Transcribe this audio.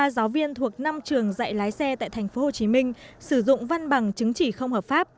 một mươi giáo viên thuộc năm trường dạy lái xe tại tp hcm sử dụng văn bằng chứng chỉ không hợp pháp